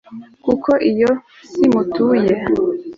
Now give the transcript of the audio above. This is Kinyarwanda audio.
kuko iyo si mutuye